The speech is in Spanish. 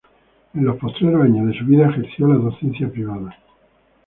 En los postreros años de su vida ejerció la docencia privada.